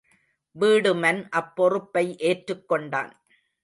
வீடுமன் அப்பொறுப்பை ஏற்றுக் கொண்டான்.